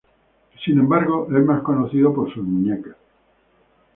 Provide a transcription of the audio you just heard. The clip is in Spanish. Sin embargo, es más conocido por sus muñecas.